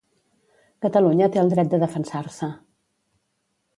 Catalunya té el dret de defensar-se.